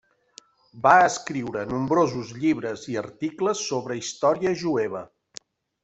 Va escriure nombrosos llibres i articles sobre història jueva.